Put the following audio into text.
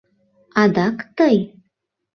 Адак тый!..